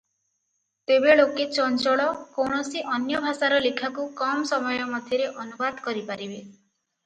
ତେବେ ଲୋକେ ଚଞ୍ଚଳ କୌଣସି ଅନ୍ୟଭାଷାର ଲେଖାକୁ କମ ସମୟ ମଧ୍ୟରେ ଅନୁବାଦ କରିପାରିବେ ।